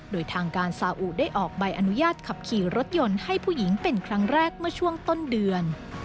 โดยทางการสาอุได้ออกใบอนุญาตขับขี่รถยนต์ให้ผู้หญิงเป็นครั้งแรกเมื่อช่วงต้นเดือน